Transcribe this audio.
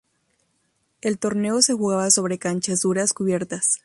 El torneo se jugaba sobre canchas duras cubiertas.